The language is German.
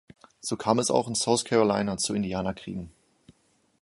So kam es auch in South Carolina zu Indianerkriegen.